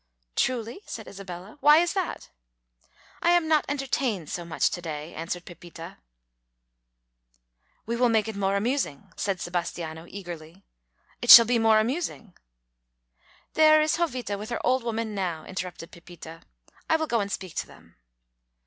"Truly!" said Isabella. "Why is that?" "I am not entertained so much to day," answered Pepita. [Illustration: We will make it more amusing 075] "We will make it more amusing," said Sebastiano, eagerly. "It shall be more amusing " "There is Jovita with her old woman now," interrupted Pepita. "I will go and speak to them."